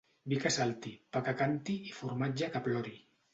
Vi que salti, pa que canti i formatge que plori.